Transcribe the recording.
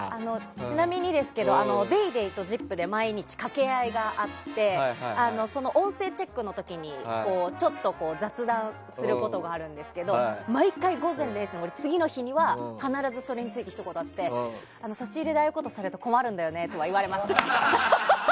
ちなみにですけど「ＤａｙＤａｙ．」と「ＺＩＰ！」で毎日掛け合いがあってその音声チェックの時に雑談することがあるんですけど毎回、「午前０時の森」の次の日には必ずそれについてひと言あって差し入れでああいうことされると困るんだよねとは言われました。